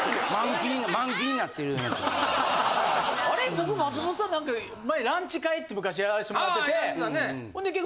僕松本さん何か前ランチ会って昔やらしてもらってて。ああやってたね。